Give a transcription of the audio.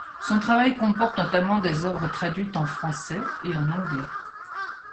Son travail comporte notamment des œuvres traduites en français et en anglais.